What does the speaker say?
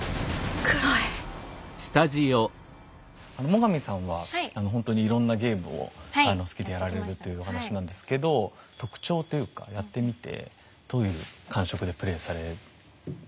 最上さんはほんとにいろんなゲームを好きでやられるっていうお話なんですけど特徴というかやってみてどういう感触でプレイされてますか？